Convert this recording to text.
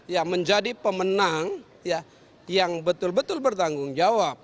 ya menjadi pemenang ya yang betul betul bertanggung jawab